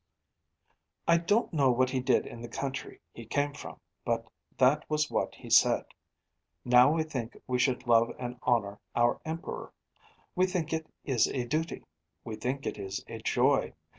'I don't know what he did in the country he came from. But that was what he said. Now we think we should love and honour our Emperor. We think it is a duty. We think it is a joy.